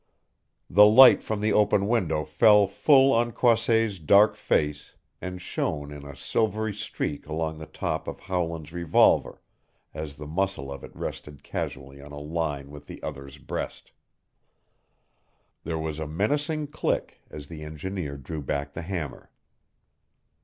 The light from the open window fell full on Croisset's dark face and shone in a silvery streak along the top of Howland's revolver as the muzzle of it rested casually on a line with the other's breast. There was a menacing click as the engineer drew back the hammer.